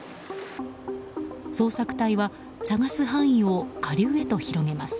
捜索隊は、捜す範囲を下流へと広げます。